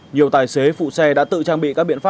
nhiều tài xế phụ xe đã tự trang bị các biện pháp